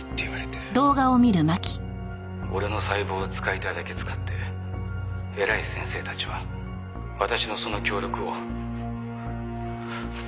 「俺の細胞を使いたいだけ使って偉い先生たちは私のその協力を抹消しようとしています」